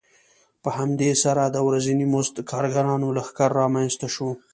په همدې سره د ورځني مزد کارګرانو لښکر رامنځته شو